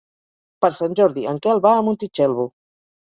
Per Sant Jordi en Quel va a Montitxelvo.